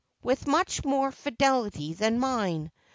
with much more fidelity than mine.